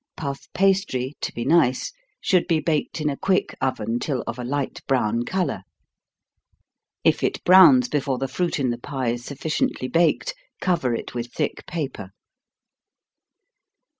Puff pastry, to be nice, should be baked in a quick oven till of a light brown color. If it browns before the fruit in the pie is sufficiently baked, cover it with thick paper.